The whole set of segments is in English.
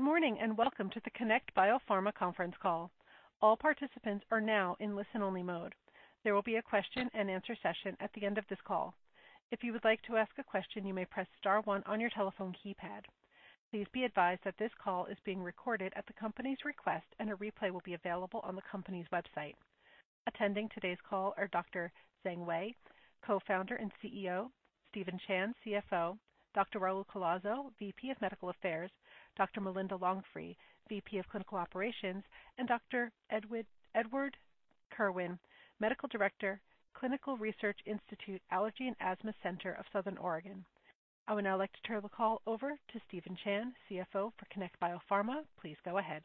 Good morning, and welcome to the Connect Biopharma conference call. All participants are now in listen-only mode. There will be a question-and-answer session at the end of this call. If you would like to ask a question, you may press star one on your telephone keypad. Please be advised that this call is being recorded at the company's request, and a replay will be available on the company's website. Attending today's call are Dr. Zheng Wei, Co-founder and CEO; Steven Chan, CFO; Dr. Raul Collazo, VP of Medical Affairs; Dr. Malinda Longphre, VP of Clinical Operations; and Dr. Edward Kerwin, Medical Director, Clinical Research Institute, Allergy and Asthma Center of Southern Oregon. I would now like to turn the call over to Steven Chan, CFO for Connect Biopharma. Please go ahead.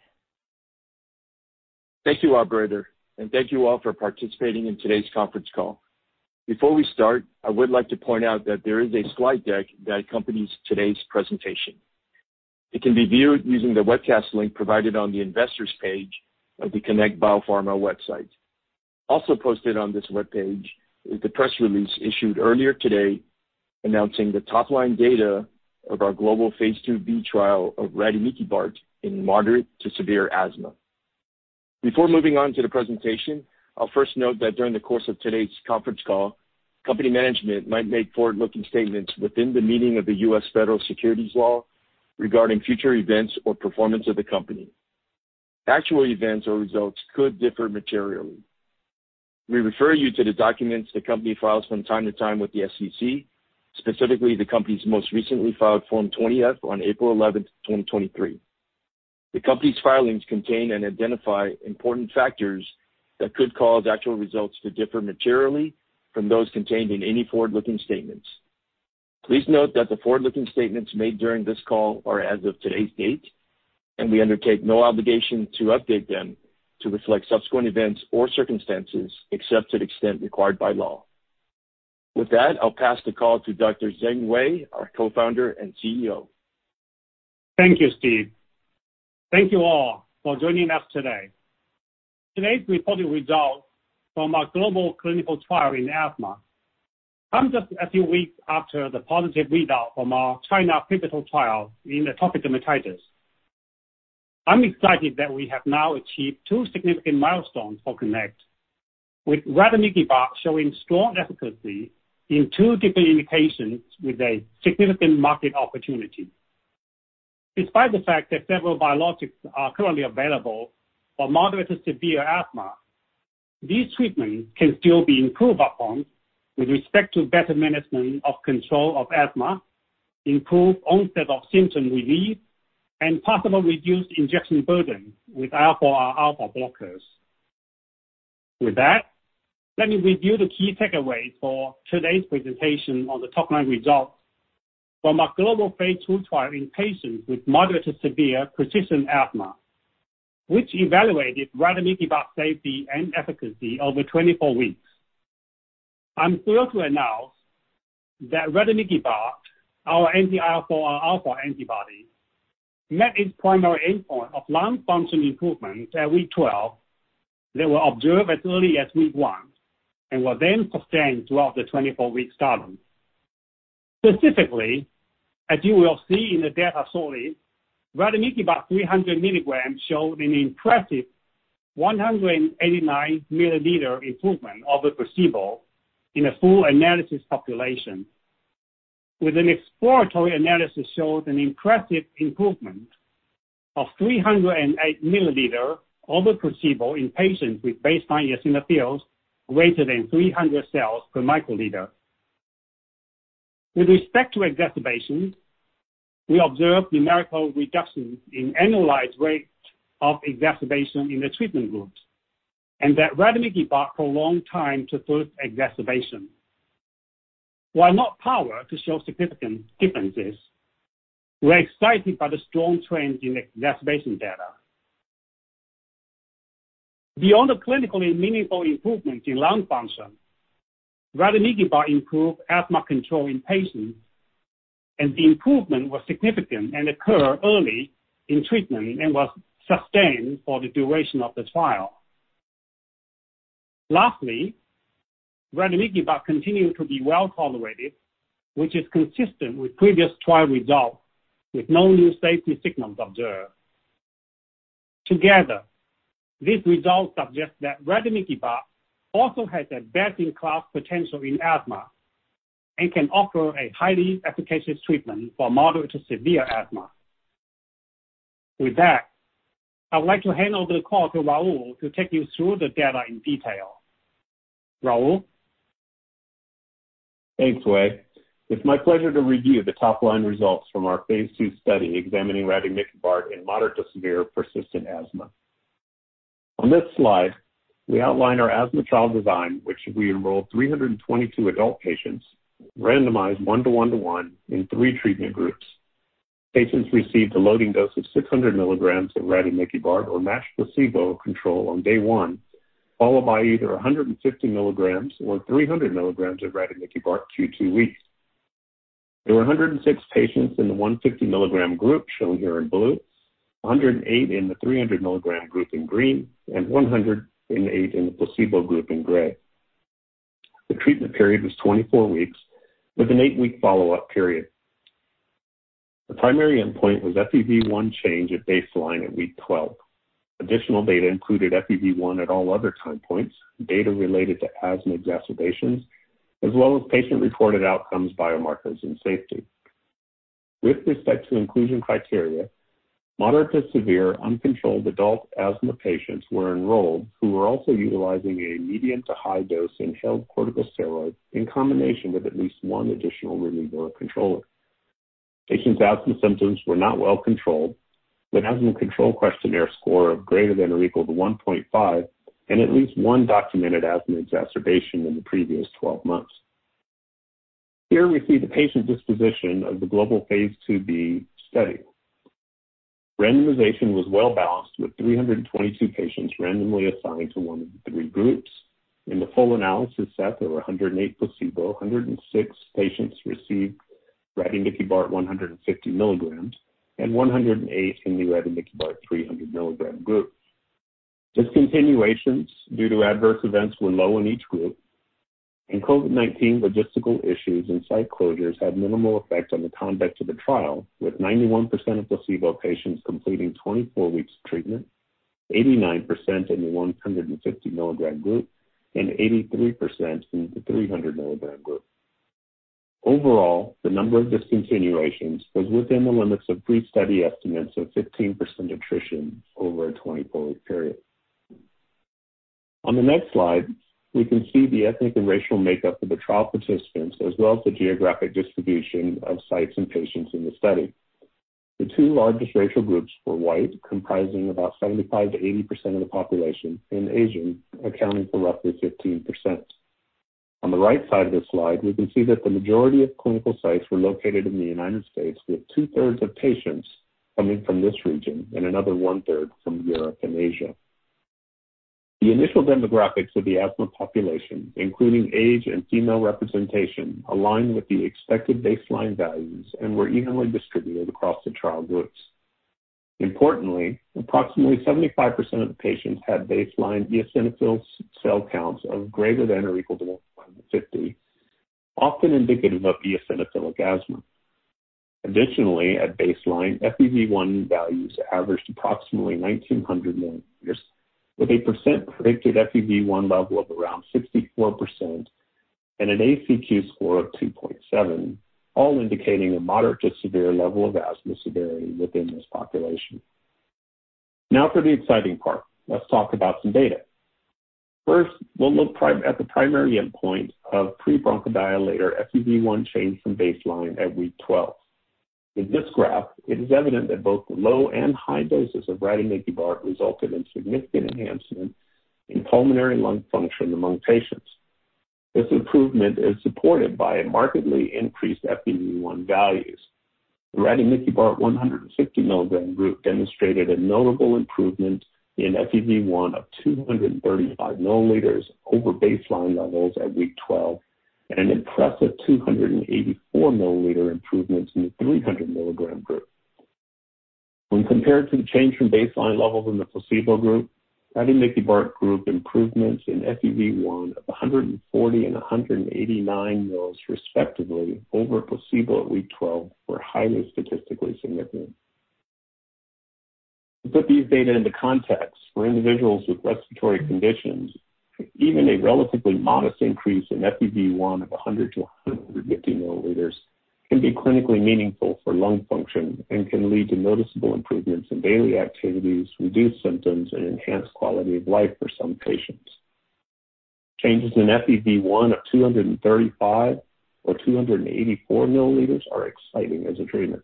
Thank you, operator, and thank you all for participating in today's conference call. Before we start, I would like to point out that there is a slide deck that accompanies today's presentation. It can be viewed using the webcast link provided on the investors page of the Connect Biopharma website. Also posted on this webpage is the press release issued earlier today announcing the top-line data of our global phase II-B trial of rademikibart in moderate-to-severe asthma. Before moving on to the presentation, I'll first note that during the course of today's conference call, company management might make forward-looking statements within the meaning of the U.S. federal securities laws regarding future events or performance of the company. Actual events or results could differ materially. We refer you to the documents the company files from time to time with the SEC, specifically the company's most recently filed Form 20-F on April 11, 2023. The company's filings contain and identify important factors that could cause actual results to differ materially from those contained in any forward-looking statements. Please note that the forward-looking statements made during this call are as of today's date, and we undertake no obligation to update them to reflect subsequent events or circumstances, except to the extent required by law. With that, I'll pass the call to Dr. Zheng Wei, our co-founder and CEO. Thank you, Steve. Thank you all for joining us today. Today's reported results from our global clinical trial in asthma come just a few weeks after the positive readout from our China pivotal trial in atopic dermatitis. I'm excited that we have now achieved two significant milestones for Connect, with rademikibart showing strong efficacy in two different indications with a significant market opportunity. Despite the fact that several biologics are currently available for moderate to severe asthma, these treatments can still be improved upon with respect to better management of control of asthma, improved onset of symptom relief, and possible reduced injection burden with IL-4 alpha blockers. With that, let me review the key takeaways for today's presentation on the top-line results from our global phase II trial in patients with moderate to severe persistent asthma, which evaluated rademikibart safety and efficacy over 24 weeks. I'm thrilled to announce that rademikibart, our anti-IL-4 alpha antibody met its primary endpoint of lung function improvement at week 12. They were observed as early as week 1 and were then sustained throughout the 24-week study. Specifically, as you will see in the data shortly, rademikibart 300 mg showed an impressive 189 mL improvement over placebo in a full analysis population, with an exploratory analysis showed an impressive improvement of 308 mL over placebo in patients with baseline eosinophils greater than 300 cells per microliter. With respect to exacerbations, we observed numerical reductions in annualized rates of exacerbation in the treatment group and that rademikibart prolonged time to first exacerbation. While not powered to show significant differences, we're excited by the strong trends in exacerbation data. Beyond the clinically meaningful improvements in lung function, rademikibart improved asthma control in patients, and the improvement was significant and occurred early in treatment and was sustained for the duration of the trial. Lastly, rademikibart continued to be well tolerated, which is consistent with previous trial results, with no new safety signals observed. Together, these results suggest that rademikibart also has a best-in-class potential in asthma and can offer a highly efficacious treatment for moderate to severe asthma. With that, I would like to hand over the call to Raul to take you through the data in detail. Raul? Thanks, Wei. It's my pleasure to review the top-line results from our phase 2 study examining rademikibart in moderate-to-severe persistent asthma. On this slide, we outline our asthma trial design, which we enrolled 322 adult patients, randomized 1:1:1 in three treatment groups. Patients received a loading dose of 600 mg of rademikibart or matched placebo control on day one, followed by either 150 mg or 300 mg of rademikibart Q2 weeks. There were 106 patients in the 150 mg group, shown here in blue, 108 in the 300 mg group in green, and 108 in the placebo group in gray. The treatment period was 24 weeks, with an 8-week follow-up period. The primary endpoint was FEV1 change at baseline at week 12. Additional data included FEV1 at all other time points, data related to asthma exacerbations, as well as patient-reported outcomes, biomarkers, and safety. With respect to inclusion criteria, moderate to severe uncontrolled adult asthma patients were enrolled who were also utilizing a medium- to high-dose inhaled corticosteroid in combination with at least one additional reliever or controller. Patients' asthma symptoms were not well controlled, with an Asthma Control Questionnaire score of greater than or equal to 1.5 and at least one documented asthma exacerbation in the previous 12 months. Here we see the patient disposition of the global Phase II-B study. Randomization was well-balanced, with 322 patients randomly assigned to one of the 3 groups. In the full analysis set, there were 108 placebo, 106 patients received rademikibart 150 mg, and 108 in the rademikibart 300 mg group. Discontinuations due to adverse events were low in each group, and COVID-19 logistical issues and site closures had minimal effect on the conduct of the trial, with 91% of placebo patients completing 24 weeks of treatment, 89% in the 150 mg group, and 83% in the 300 mg group. Overall, the number of discontinuations was within the limits of pre-study estimates of 15% attrition over a 24-week period. On the next slide, we can see the ethnic and racial makeup of the trial participants, as well as the geographic distribution of sites and patients in the study. The two largest racial groups were White, comprising about 75% to 80% of the population, and Asian, accounting for roughly 15%. On the right side of this slide, we can see that the majority of clinical sites were located in the United States, with two-thirds of patients coming from this region and another one-third from Europe and Asia. The initial demographics of the asthma population, including age and female representation, aligned with the expected baseline values and were evenly distributed across the trial groups. Importantly, approximately 75% of the patients had baseline eosinophil cell counts of greater than or equal to 150, often indicative of eosinophilic asthma. Additionally, at baseline, FEV1 values averaged approximately 1,900 milliliters, with a percent predicted FEV1 level of around 64% and an ACQ score of 2.7, all indicating a moderate to severe level of asthma severity within this population. Now for the exciting part. Let's talk about some data. First, we'll look at the primary endpoint of pre-bronchodilator FEV1 change from baseline at week 12. In this graph, it is evident that both the low and high doses of rademikibart resulted in significant enhancement in pulmonary lung function among patients. This improvement is supported by a markedly increased FEV1 values. The rademikibart 150 milligram group demonstrated a notable improvement in FEV1 of 235 milliliters over baseline levels at week 12, and an impressive 284 milliliter improvements in the 300 milligram group. When compared to the change from baseline levels in the placebo group, rademikibart group improvements in FEV1 of 140 and 189 mL, respectively, over placebo at week 12 were highly statistically significant. To put these data into context, for individuals with respiratory conditions, even a relatively modest increase in FEV1 of 100 to 150 milliliters can be clinically meaningful for lung function and can lead to noticeable improvements in daily activities, reduce symptoms, and enhance quality of life for some patients. Changes in FEV1 of 235 or 284 milliliters are exciting as a treatment.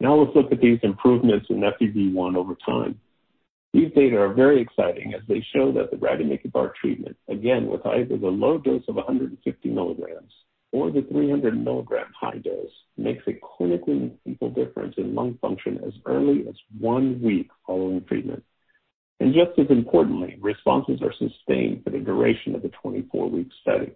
Now let's look at these improvements in FEV1 over time. These data are very exciting, as they show that the rademikibart treatment, again, with either the low dose of 150 milligrams or the 300 milligram high dose, makes a clinically meaningful difference in lung function as early as one week following treatment. And just as importantly, responses are sustained for the duration of the 24-week study.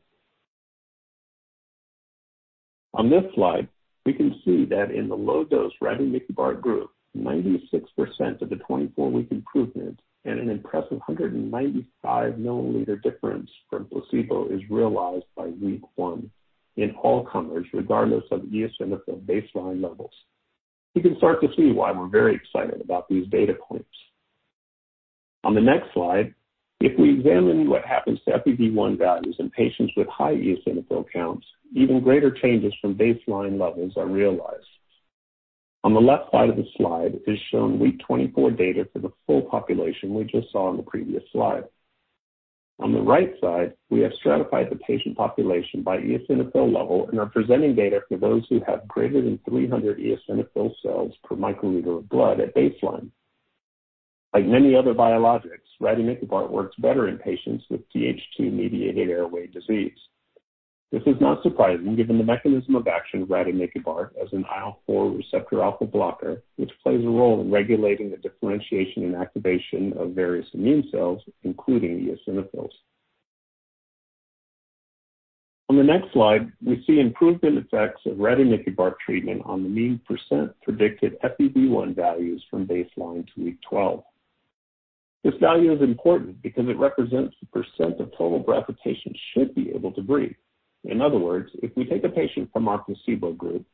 On this slide, we can see that in the low-dose rademikibart group, 96% of the 24-week improvement and an impressive 195 milliliter difference from placebo is realized by week one in all comers, regardless of eosinophil baseline levels. You can start to see why we're very excited about these data points. On the next slide, if we examine what happens to FEV1 values in patients with high eosinophil counts, even greater changes from baseline levels are realized. On the left side of the slide is shown week 24 data for the full population we just saw on the previous slide. On the right side, we have stratified the patient population by eosinophil level and are presenting data for those who have greater than 300 eosinophil cells per microliter of blood at baseline. Like many other biologics, rademikibart works better in patients with Th2-mediated airway disease. This is not surprising, given the mechanism of action of rademikibart as anti-IL-4 receptor alpha blocker, which plays a role in regulating the differentiation and activation of various immune cells, including the eosinophils. On the next slide, we see improvement effects of rademikibart treatment on the mean percent predicted FEV1 values from baseline to week 12. This value is important because it represents the percent of total breath patients should be able to breathe. In other words, if we take a patient from our placebo group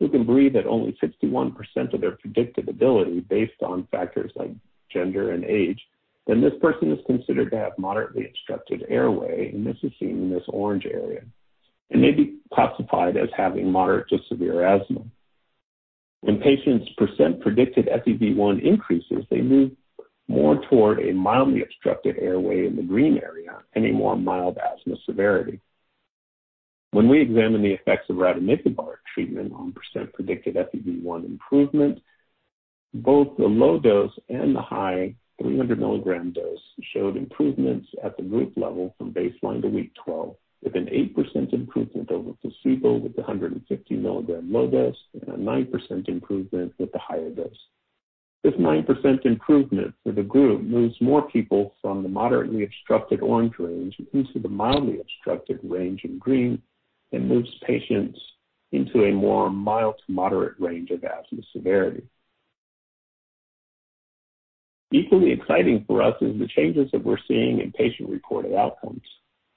who can breathe at only 61% of their predicted ability based on factors like gender and age, then this person is considered to have moderately obstructed airway, and this is seen in this orange area and may be classified as having moderate to severe asthma. When patients percent predicted FEV1 increases, they move more toward a mildly obstructed airway in the green area and a more mild asthma severity. When we examine the effects of rademikibart treatment on percent predicted FEV1 improvement, both the low dose and the high 300 milligram dose showed improvements at the group level from baseline to week 12, with an 8% improvement over placebo with the 150 milligram low dose and a 9% improvement with the higher dose. This 9% improvement for the group moves more people from the moderately obstructed orange range into the mildly obstructed range in green and moves patients into a more mild to moderate range of asthma severity. Equally exciting for us is the changes that we're seeing in patient-reported outcomes,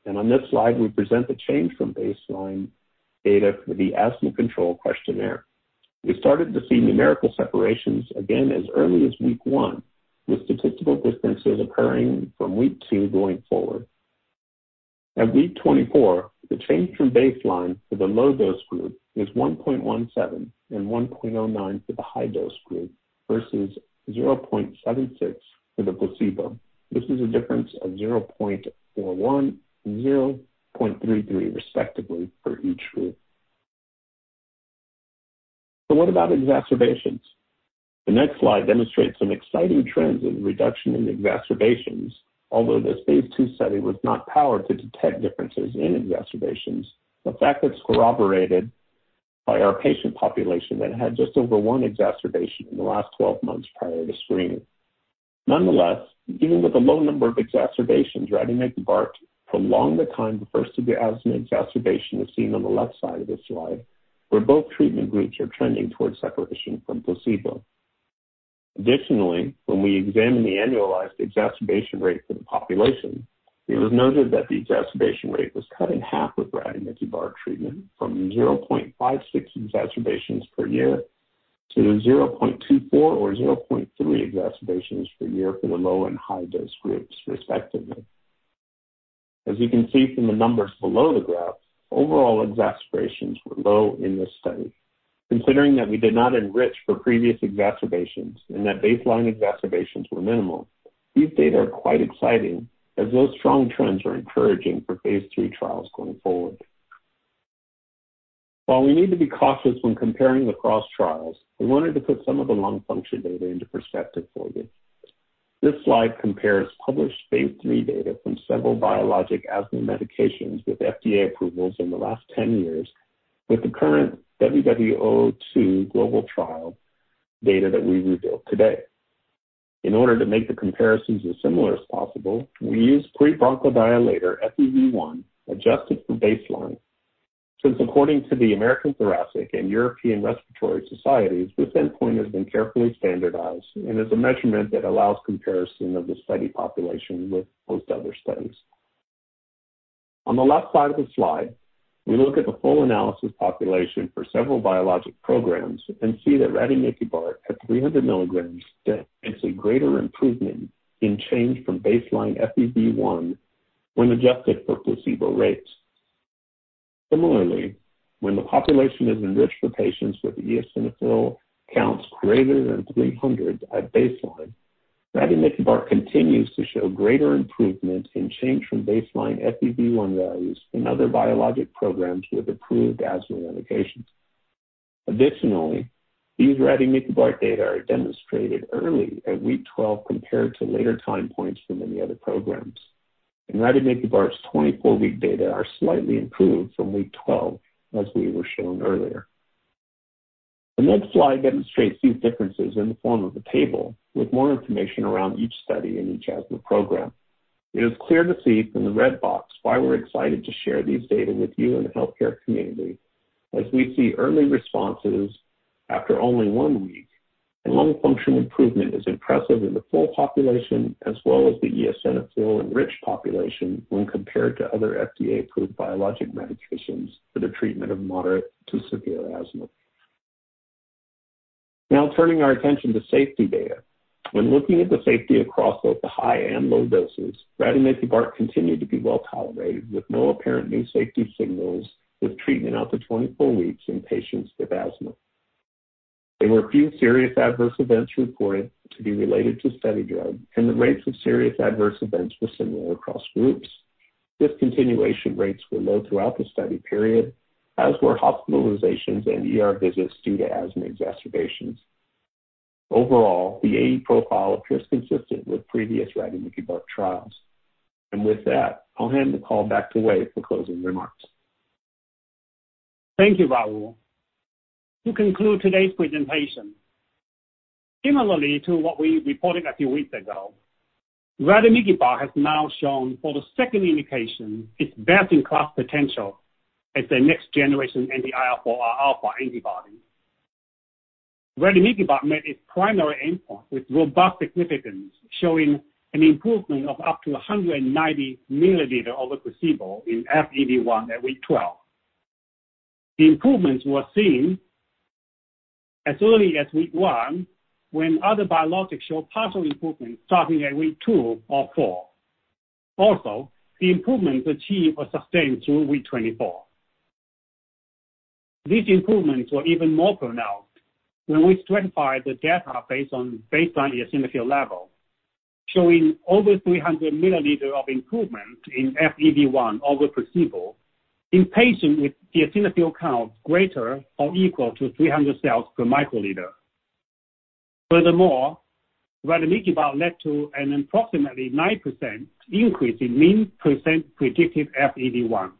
and on this slide, we present the change from baseline data for the asthma control questionnaire. We started to see numerical separations again as early as week 1, with statistical distances occurring from week 2 going forward. At week 24, the change from baseline for the low dose group is 1.17 and 1.09 for the high dose group versus 0.76 for the placebo. This is a difference of 0.41, 0.33, respectively, for each group. So what about exacerbations? The next slide demonstrates some exciting trends in reduction in exacerbations. Although this phase 2 study was not powered to detect differences in exacerbations, the fact that's corroborated by our patient population that had just over one exacerbation in the last 12 months prior to screening. Nonetheless, even with a low number of exacerbations, rademikibart prolonged the time the first severe asthma exacerbation was seen on the left side of this slide, where both treatment groups are trending towards separation from placebo. Additionally, when we examine the annualized exacerbation rate for the population, it was noted that the exacerbation rate was cut in half with rademikibart treatment from 0.56 exacerbations per year to 0.24 or 0.3 exacerbations per year for the low and high dose groups, respectively. As you can see from the numbers below the graph, overall exacerbations were low in this study. Considering that we did not enrich for previous exacerbations and that baseline exacerbations were minimal, these data are quite exciting as those strong trends are encouraging for phase III trials going forward. While we need to be cautious when comparing across trials, we wanted to put some of the lung function data into perspective for you. This slide compares published phase III data from several biologic asthma medications with FDA approvals in the last 10 years with the current WW02 global trial data that we revealed today. In order to make the comparisons as similar as possible, we use pre-bronchodilator FEV1 adjusted for baseline, since, according to the American Thoracic and European Respiratory Societies, this endpoint has been carefully standardized and is a measurement that allows comparison of the study population with most other studies. On the left side of the slide, we look at the full analysis population for several biologic programs and see that rademikibart at 300 milligrams gets a greater improvement in change from baseline FEV1 when adjusted for placebo rates. Similarly, when the population is enriched for patients with eosinophil counts greater than 300 at baseline, rademikibart continues to show greater improvement in change from baseline FEV1 values than other biologic programs with approved asthma indications. Additionally, these rademikibart data are demonstrated early at week 12 compared to later time points for many other programs, and rademikibart's 24-week data are slightly improved from week 12, as we were shown earlier. The next slide demonstrates these differences in the form of a table with more information around each study and each asthma program. It is clear to see from the red box why we're excited to share these data with you and the healthcare community, as we see early responses after only 1 week and lung function improvement is impressive in the full population as well as the eosinophil-enriched population when compared to other FDA-approved biologic medications for the treatment of moderate-to-severe asthma. Now turning our attention to safety data. When looking at the safety across both the high and low doses, rademikibart continued to be well tolerated, with no apparent new safety signals, with treatment out to 24 weeks in patients with asthma. There were few serious adverse events reported to be related to study drug, and the rates of serious adverse events were similar across groups. Discontinuation rates were low throughout the study period, as were hospitalizations and ER visits due to asthma exacerbations. Overall, the AE profile appears consistent with previous rademikibart trials. With that, I'll hand the call back to Wei for closing remarks.... Thank you, Raul. To conclude today's presentation, similarly to what we reported a few weeks ago, rademikibart has now shown for the second indication, its best-in-class potential as the next generation anti-IL-4 alpha antibody. Rademikibart met its primary endpoint with robust significance, showing an improvement of up to 190 milliliters over placebo in FEV1 at week 12. The improvements were seen as early as week 1, when other biologics showed partial improvement starting at week 2 or 4. Also, the improvements achieved were sustained through week 24. These improvements were even more pronounced when we stratified the data based on baseline eosinophil level, showing over 300 milliliters of improvement in FEV1 over placebo in patients with the eosinophil count greater or equal to 300 cells per microliter. Furthermore, rademikibart led to an approximately 9% increase in mean percent predicted FEV1,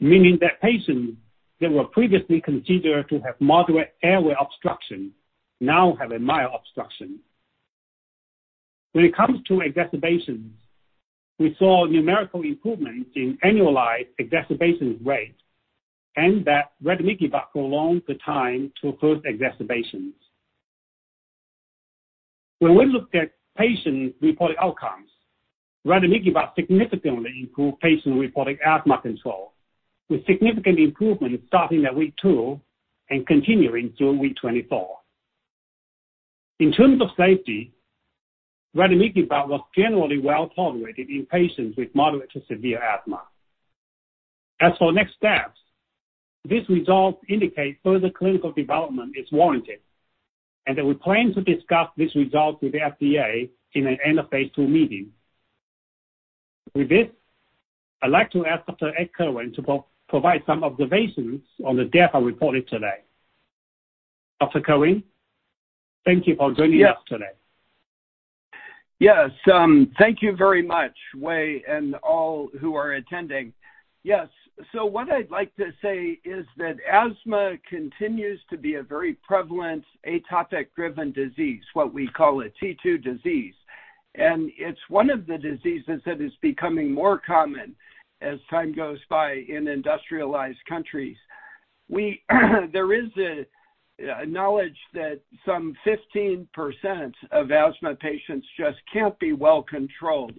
meaning that patients that were previously considered to have moderate airway obstruction now have a mild obstruction. When it comes to exacerbations, we saw numerical improvement in annualized exacerbation rate and that rademikibart prolonged the time to first exacerbations. When we looked at patient-reported outcomes, rademikibart significantly improved patient-reported asthma control, with significant improvement starting at week 2 and continuing through week 24. In terms of safety, rademikibart was generally well tolerated in patients with moderate to severe asthma. As for next steps, these results indicate further clinical development is warranted, and that we plan to discuss these results with the FDA in an end-of-phase II meeting. With this, I'd like to ask Dr. Edward Kerwin to provide some observations on the data reported today. Dr. Kerwin, thank you for joining us today. Yes, thank you very much, Wei, and all who are attending. Yes, so what I'd like to say is that asthma continues to be a very prevalent atopic-driven disease, what we call a T2 disease, and it's one of the diseases that is becoming more common as time goes by in industrialized countries. We, there is a knowledge that some 15% of asthma patients just can't be well controlled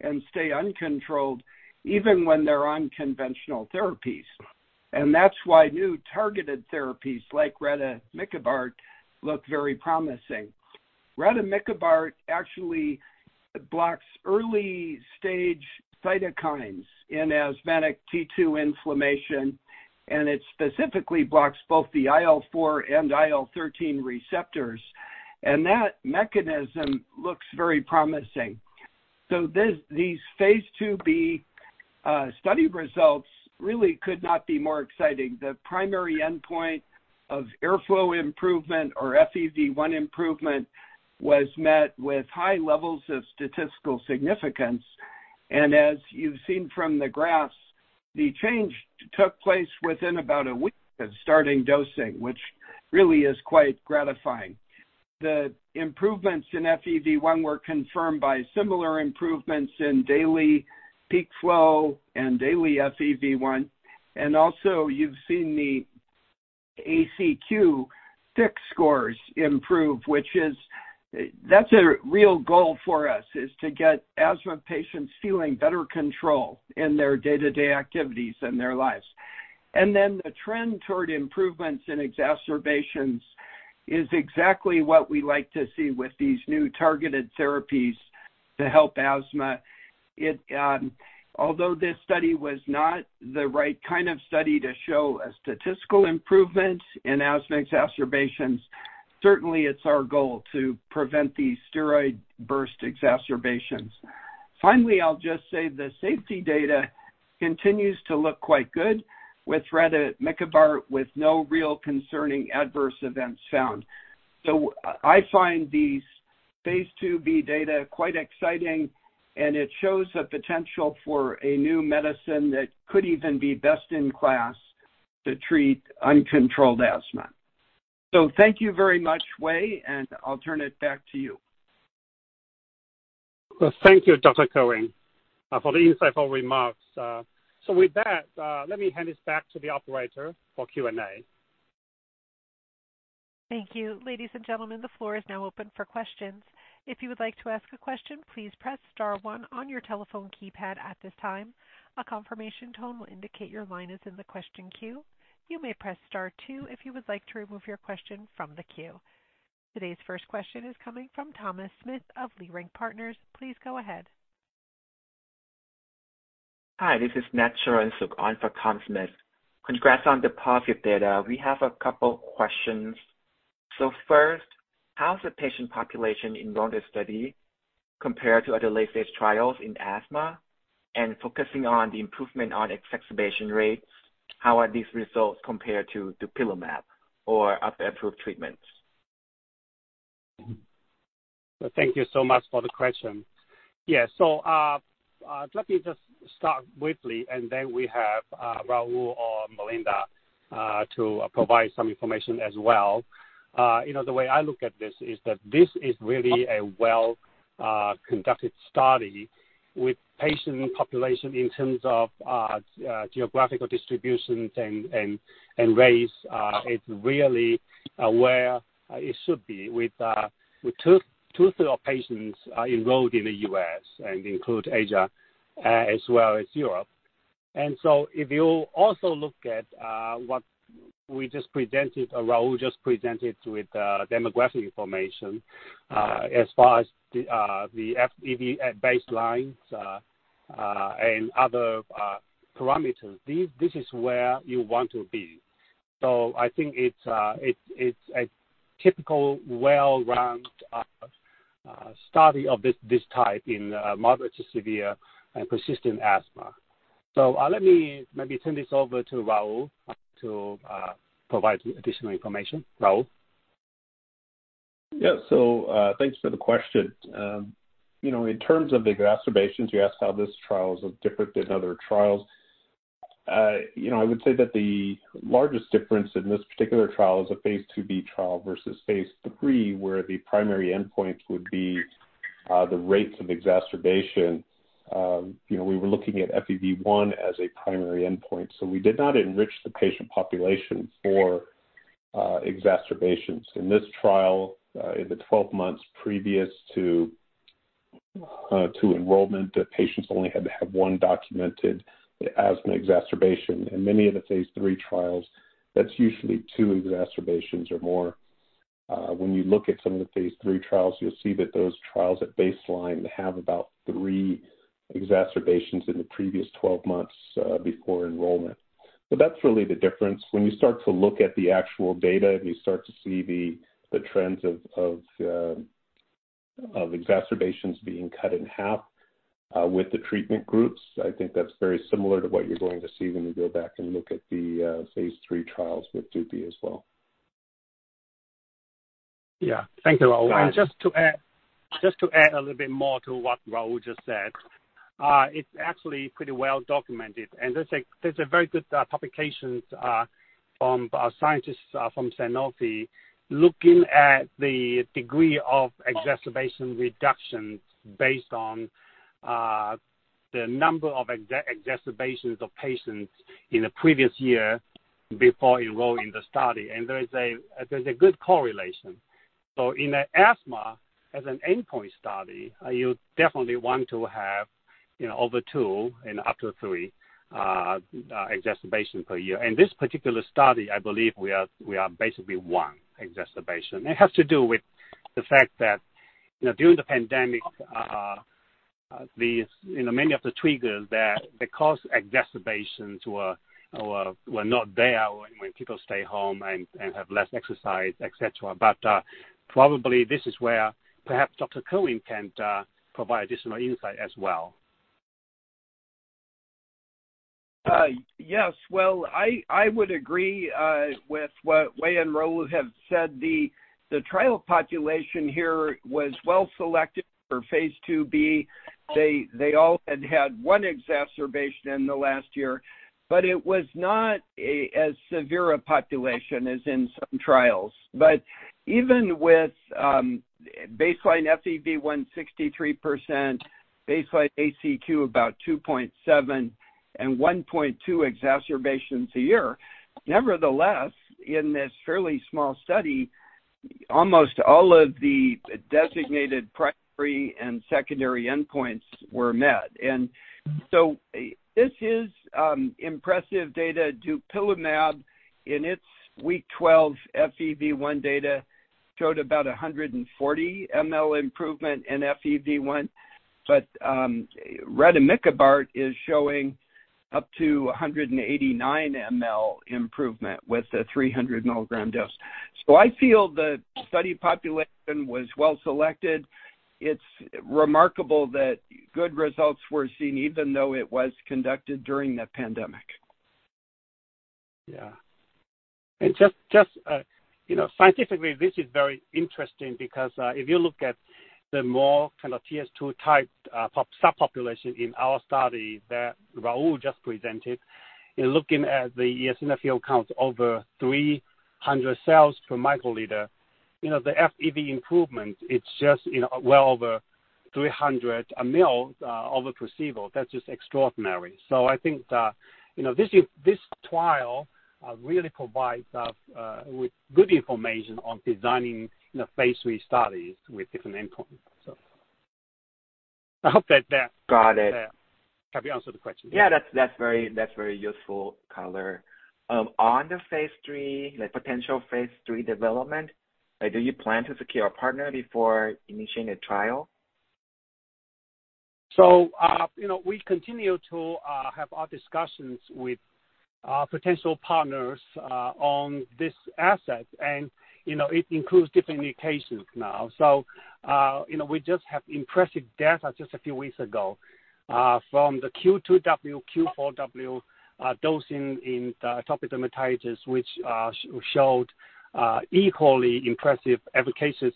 and stay uncontrolled even when they're on conventional therapies. And that's why new targeted therapies like rademikibart look very promising. Rademikibart actually blocks early-stage cytokines in asthmatic T2 inflammation, and it specifically blocks both the IL-4 and IL-13 receptors, and that mechanism looks very promising. So this, these phase II-B study results really could not be more exciting. The primary endpoint of airflow improvement or FEV1 improvement was met with high levels of statistical significance. And as you've seen from the graphs, the change took place within about a week of starting dosing, which really is quite gratifying. The improvements in FEV1 were confirmed by similar improvements in daily peak flow and daily FEV1. And also, you've seen the ACQ-6 scores improve, which is, that's a real goal for us, is to get asthma patients feeling better control in their day-to-day activities and their lives. And then the trend toward improvements in exacerbations is exactly what we like to see with these new targeted therapies to help asthma. It, although this study was not the right kind of study to show a statistical improvement in asthma exacerbations, certainly it's our goal to prevent these steroid burst exacerbations. Finally, I'll just say the safety data continues to look quite good with rademikibart, with no real concerning adverse events found. So I find these Phase II-B data quite exciting, and it shows a potential for a new medicine that could even be best in class to treat uncontrolled asthma. So thank you very much, Wei, and I'll turn it back to you. Well, thank you, Dr. Kerwin, for the insightful remarks. So with that, let me hand this back to the operator for Q&A. Thank you. Ladies and gentlemen, the floor is now open for questions. If you would like to ask a question, please press star one on your telephone keypad at this time. A confirmation tone will indicate your line is in the question queue. You may press star two if you would like to remove your question from the queue. Today's first question is coming from Thomas Smith of Leerink Partners. Please go ahead. Hi, this is Matt Sarnecki on for Tom Smith. Congrats on the positive data. We have a couple questions. So first, how's the patient population in this study compared to other late-stage trials in asthma? And focusing on the improvement on exacerbation rates, how are these results compared to dupilumab or other approved treatments?... Thank you so much for the question. Yeah, so, let me just start briefly, and then we have, Raúl or Malinda, to provide some information as well. You know, the way I look at this is that this is really a well conducted study with patient population in terms of geographical distributions and race. It's really where it should be with two-thirds of patients enrolled in the U.S. and include Asia as well as Europe. And so if you also look at what we just presented, or Raul just presented with demographic information, as far as the FEV1 at baselines and other parameters, this is where you want to be. So I think it's a typical well-rounded study of this type in moderate to severe and persistent asthma. So let me maybe turn this over to Raul to provide additional information. Raul? Yeah. So, thanks for the question. You know, in terms of the exacerbations, you asked how this trial is different than other trials. You know, I would say that the largest difference in this particular trial is a Phase II-B trial versus Phase III, where the primary endpoint would be the rates of exacerbation. You know, we were looking at FEV1 as a primary endpoint, so we did not enrich the patient population for exacerbations. In this trial, in the 12 months previous to enrollment, the patients only had to have one documented asthma exacerbation. In many of the Phase III trials, that's usually two exacerbations or more. When you look at some of the Phase III trials, you'll see that those trials at baseline have about three exacerbations in the previous 12 months before enrollment. So that's really the difference. When you start to look at the actual data, and you start to see the trends of exacerbations being cut in half, with the treatment groups, I think that's very similar to what you're going to see when you go back and look at the Phase III trials with dupilumab as well. Yeah. Thank you, Raul. And just to add, just to add a little bit more to what Raul just said, it's actually pretty well documented. And there's a, there's a very good publications from our scientists from Sanofi, looking at the degree of exacerbation reduction based on the number of exacerbations of patients in the previous year before enrolling the study. And there is a, there's a good correlation. So in asthma, as an endpoint study, you definitely want to have, you know, over two and up to three exacerbations per year. In this particular study, I believe we are, we are basically one exacerbation. It has to do with the fact that, you know, during the pandemic, these, you know, many of the triggers that cause exacerbations were not there when people stay home and have less exercise, et cetera. But, probably this is where perhaps Dr. Kerwin can provide additional insight as well. Yes. Well, I would agree with what Wei and Raul have said. The trial population here was well selected for phase IIb. They all had had one exacerbation in the last year, but it was not as severe a population as in some trials. But even with baseline FEV1 63%, baseline ACQ about 2.7 and 1.2 exacerbations a year, nevertheless, in this fairly small study, almost all of the designated primary and secondary endpoints were met. And so this is impressive data. Dupilumab, in its week 12 FEV1 data, showed about 140 mL improvement in FEV1, but rademikibart is showing up to 189 mL improvement with a 300 milligram dose. So I feel the study population was well selected. It's remarkable that good results were seen even though it was conducted during the pandemic. Yeah. And just, you know, scientifically, this is very interesting because, if you look at the more kind of T2 type Th2 subpopulation in our study that Raúl just presented, in looking at the eosinophil counts over 300 cells/μL, you know, the FEV1 improvement, it's just, you know, well over 300 mL over baseline. That's just extraordinary. So I think that, you know, this, this trial really provides us with good information on designing, you know, phase III studies with different endpoints. So I hope that that- Got it. Have you answered the question? Yeah, that's very useful color. On the Phase III, the potential Phase III development, do you plan to secure a partner before initiating a trial? So, you know, we continue to have our discussions with-... potential partners on this asset. And, you know, it includes different indications now. So, you know, we just have impressive data just a few weeks ago from the Q2W, Q4W dosing in the atopic dermatitis, which showed equally impressive efficacious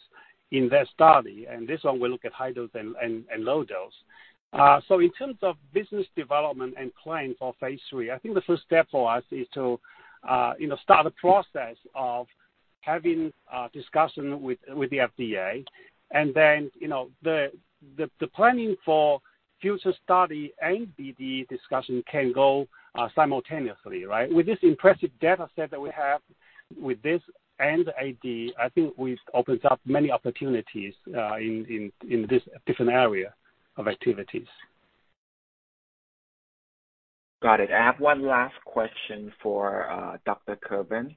in their study. And this one will look at high dose and low dose. So in terms of business development and plans for phase III, I think the first step for us is to, you know, start a process of having a discussion with the FDA. And then, you know, the planning for future study and BD discussion can go simultaneously, right? With this impressive data set that we have with this and AD, I think we've opened up many opportunities in this different area of activities. Got it. I have one last question for Dr. Kerwin.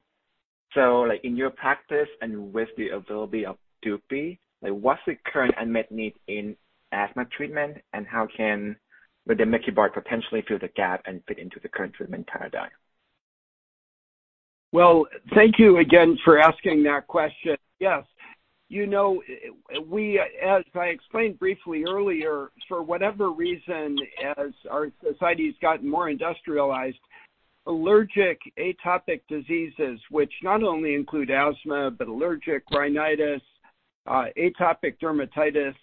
So like in your practice and with the availability of dupilumab, like what's the current unmet need in asthma treatment, and how can rademikibart potentially fill the gap and fit into the current treatment paradigm? Well, thank you again for asking that question. Yes. You know, we, as I explained briefly earlier, for whatever reason, as our society's gotten more industrialized, allergic atopic diseases, which not only include asthma but allergic rhinitis, atopic dermatitis,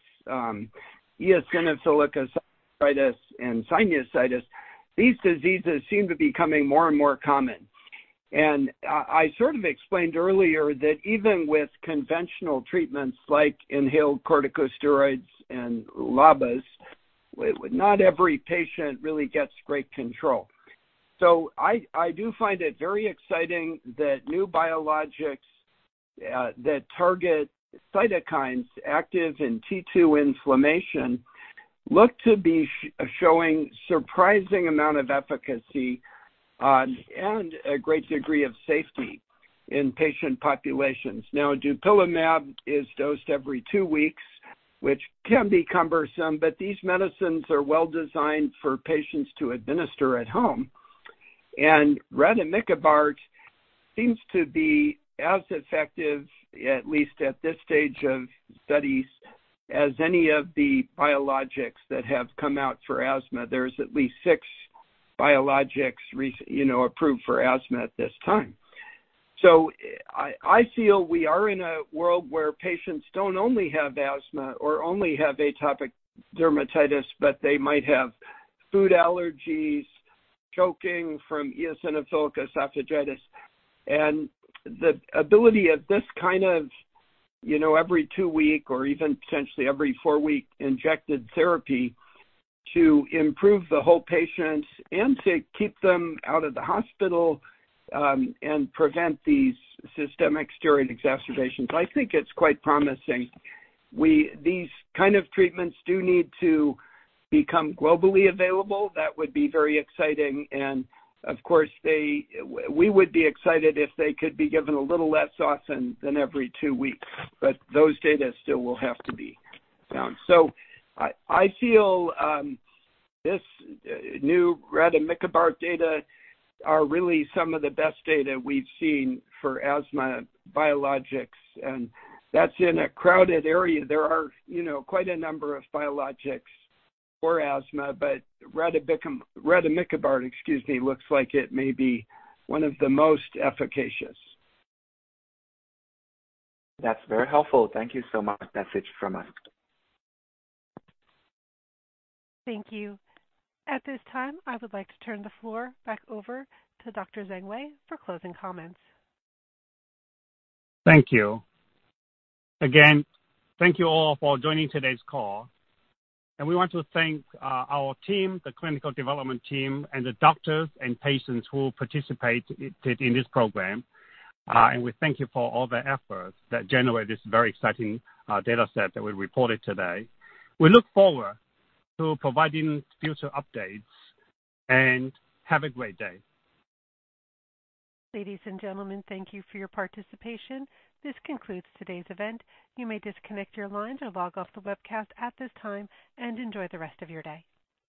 eosinophilic colitis, and sinusitis, these diseases seem to be becoming more and more common. And I, I sort of explained earlier that even with conventional treatments like inhaled corticosteroids and LABAs, not every patient really gets great control. So I, I do find it very exciting that new biologics, that target cytokines active in T2 inflammation, look to be showing surprising amount of efficacy, and a great degree of safety in patient populations. Now, dupilumab is dosed every two weeks, which can be cumbersome, but these medicines are well-designed for patients to administer at home. And rademikibart seems to be as effective, at least at this stage of studies, as any of the biologics that have come out for asthma. There's at least six biologics, you know, approved for asthma at this time. So I, I feel we are in a world where patients don't only have asthma or only have atopic dermatitis, but they might have food allergies, choking from eosinophilic esophagitis. And the ability of this kind of, you know, every two week or even potentially every four week injected therapy to improve the whole patient and to keep them out of the hospital, and prevent these systemic steroid exacerbations, I think it's quite promising. These kind of treatments do need to become globally available. That would be very exciting, and of course, they, we would be excited if they could be given a little less often than every two weeks, but those data still will have to be found. So I, I feel, this new rademikibart data are really some of the best data we've seen for asthma biologics, and that's in a crowded area. There are, you know, quite a number of biologics for asthma, but rademikibart, excuse me, looks like it may be one of the most efficacious. That's very helpful. Thank you so much. That's it from us. Thank you. At this time, I would like to turn the floor back over to Dr. Zheng Wei for closing comments. Thank you. Again, thank you all for joining today's call, and we want to thank our team, the clinical development team, and the doctors and patients who participated in this program. We thank you for all the efforts that generate this very exciting data set that we reported today. We look forward to providing future updates and have a great day. Ladies and gentlemen, thank you for your participation. This concludes today's event. You may disconnect your lines or log off the webcast at this time and enjoy the rest of your day.